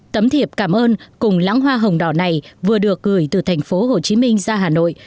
tấm thiệp cảm ơn cùng lãng hoa hồng đỏ này vừa được gửi từ thành phố hồ chí minh ra hà nội